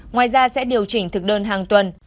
ngoài ra sẽ điều chỉnh thực đơn hàng tuần